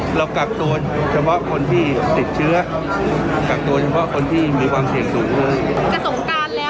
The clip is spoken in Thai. เรากากตัวเฉพาะคนที่ติดเชื้อกากตัวเฉพาะคนที่มีความเสียงสูงเลย